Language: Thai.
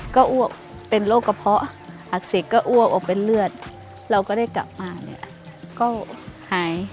นักน้อยกลายมาเป็นนางลำได้ยังไงคะ